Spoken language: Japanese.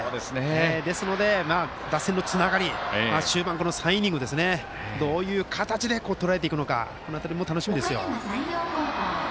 ですので打線のつながり終盤、この３イニングどういう形でとらえていくのかも楽しみですよ。